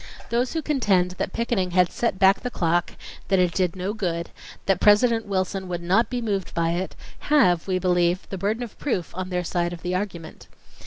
Those who contend that picketing had "set back the clock,"—that it did "no good,"—that President Wilson would "not be moved by it"—have, we believe, the burden of proof on their side of the argument.